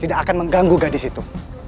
tidak akan mengganggu gadis itu